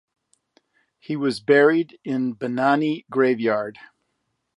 He was buried in Banani graveyard.